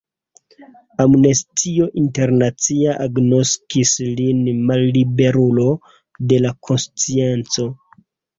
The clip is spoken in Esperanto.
Amnestio Internacia agnoskis lin malliberulo de la konscienco.